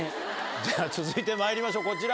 じゃあ続いてまいりましょうこちら。